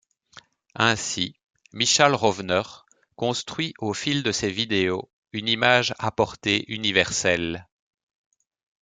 Ainsi, Michal Rovner construit au fil de ses vidéos une image à portée universelle.